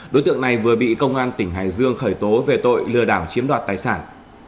đối tượng này vừa bị công an tỉnh hải dương khởi tố về tội lừa đảo chiếm đoạt tài sản